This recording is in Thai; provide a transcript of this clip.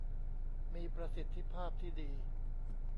มีประสิทธิภาพที่ดี